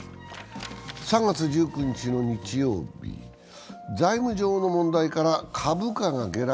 ３月１９日の日曜日、財務上の問題から株価が下落。